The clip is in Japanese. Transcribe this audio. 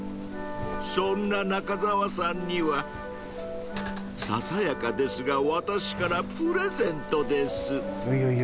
そんな中澤さんにはささやかですが私からプレゼントです